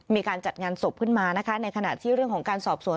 มีการจัดงานศพขึ้นมานะคะในขณะที่เรื่องของการสอบสวน